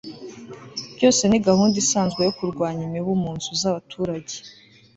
byose ni gahunda isanzwe yo kurwanya imibu mu nzu z'abaturage